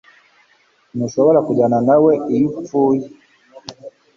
Ntushobora kujyana nawe iyo upfuye